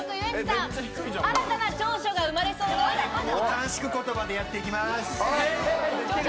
短縮言葉でやっていきます。